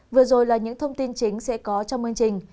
vừa rồi là những thông tin chính sẽ có trong chương trình